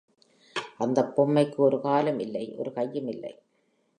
அந்தப் பொம்மைக்கு ஒரு காலும் இல்லை ஒரு கையும் இல்லை.